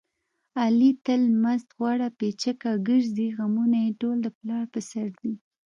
علي تل مست غوړه پیچکه ګرځي. غمونه یې ټول د پلار په سر دي.